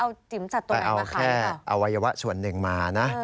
เอาจิ๋มสัตว์ตัวไหนมาค้าหรือเปล่าครับไปเอาแค่อวัยวะส่วนหนึ่งมานะ